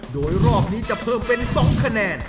โดยรอบนี้จะเพิ่มเป็น๒คะแนน